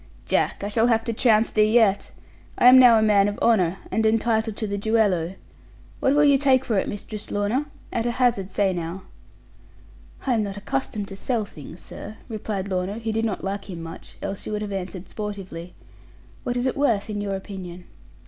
'Jack, I shall have to trounce thee yet. I am now a man of honour, and entitled to the duello. What will you take for it, Mistress Lorna? At a hazard, say now.' 'I am not accustomed to sell things, sir,' replied Lorna, who did not like him much, else she would have answered sportively, 'What is it worth, in your opinion?'